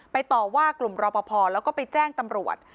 ต่อว่ากลุ่มรอปภแล้วก็ไปแจ้งตำรวจ